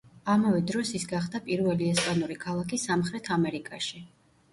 ამავე დროს ის გახდა პირველი ესპანური ქალაქი სამხრეთ ამერიკაში.